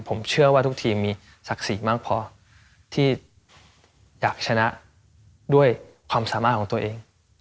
ผมเชื่อว่าทุกทีมมีศักดิ์ศรีมากพอที่อยากชนะด้วยความสามารถของตัวเอง